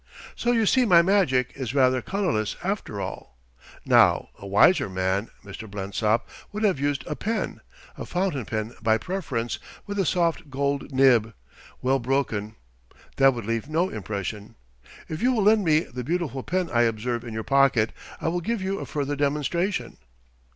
So you see my magic is rather colourless, after all.... Now, a wiser man, Mr. Blensop, would have used a pen, a fountain pen by preference, with a soft gold nib, well broken. That would leave no impression. If you will lend me the beautiful pen I observe in your pocket, I will give a further demonstration."